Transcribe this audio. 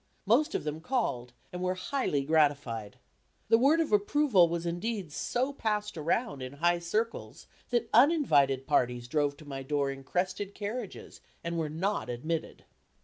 Most of them called, and were highly gratified. The word of approval was indeed so passed around in high circles, that uninvited parties drove to my door in crested carriages, and were not admitted.